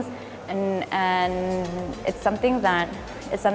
ini adalah hal yang